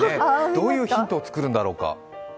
どういうヒントを作るんだろうか。